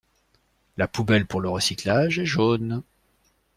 La poubelle pour le recyclage est jaune.